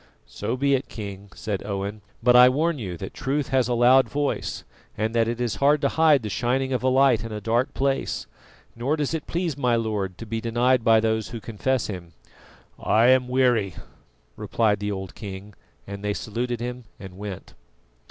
"So be it, King," said Owen; "but I warn you that Truth has a loud voice, and that it is hard to hide the shining of a light in a dark place, nor does it please my Lord to be denied by those who confess Him." "I am weary," replied the old king, and they saluted him and went.